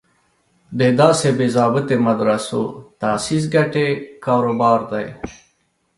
د داسې بې ضابطې مدرسو تاسیس ګټې کار و بار دی.